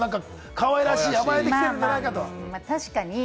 かわいいらしい、甘えてきてるんじゃないかと。